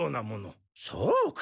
そうか。